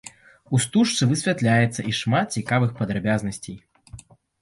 У стужцы высвятляецца і шмат цікавых падрабязнасцей.